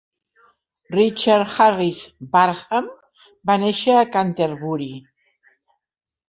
Richard Harris Barham va néixer a Canterbury.